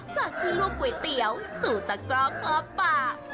สตาขี่ลูกก๋วยเย้าสู่ตะกร่อคลอป่า